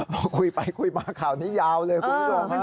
พอคุยไปคุยมาข่าวนี้ยาวเลยคุณผู้ชมฮะ